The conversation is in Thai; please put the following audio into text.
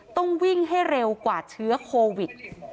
ต้องวิ่งให้เร็วกว่าเชื้อโควิด